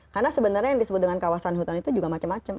karena sebenarnya yang disebut dengan kawasan hutan itu juga macam macam